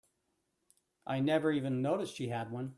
I never even noticed she had one.